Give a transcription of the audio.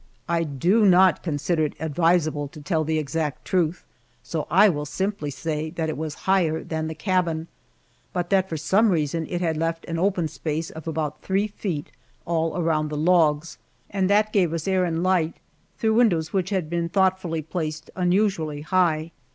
I do not consider it advisable to tell the exact truth, so I will simply say that it was higher than the cabin, but that for some reason it had left an open space of about three feet all around the logs, and that gave us air and light through windows which had been thoughtfully placed unusually high.